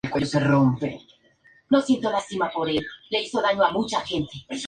Ha aparecido en sesiones fotográficas para "Men's Health", "Zenith", entre otras.